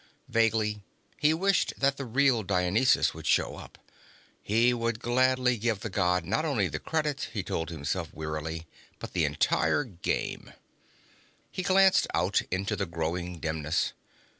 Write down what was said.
Vaguely, he wished that the real Dionysus would show up. He would gladly give the God not only the credit, he told himself wearily, but the entire game. He glanced out into the growing dimness.